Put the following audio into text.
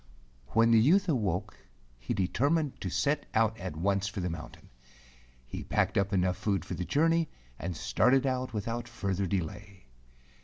Wheri the youth awoke he determined to set out at once for the mountain. He packed up enough food for the journey and started out without further delay.